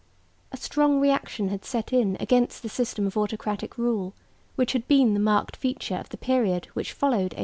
A strong reaction had set in against the system of autocratic rule, which had been the marked feature of the period which followed 1815.